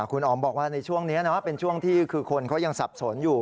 คุณอ๋อมบอกว่าในช่วงนี้เป็นช่วงที่คือคนเขายังสับสนอยู่